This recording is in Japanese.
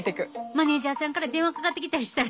マネージャーさんから電話かかってきたりしたら？